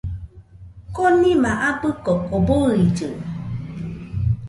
Konima abɨ koko bɨillɨ